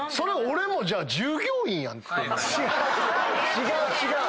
違う違う！